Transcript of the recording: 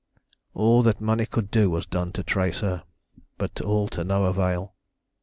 "All that money could do was done to trace her, but all to no avail.